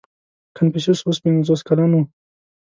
• کنفوسیوس اوس پنځوس کلن و.